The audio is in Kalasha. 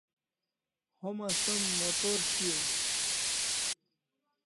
Homa som motor shiau